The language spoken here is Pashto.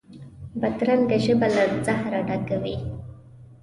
بدرنګه ژبه له زهره ډکه وي